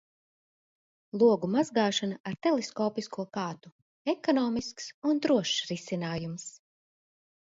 Logu mazgāšana ar teleskopisko kātu – ekonomisks un drošs risinājums.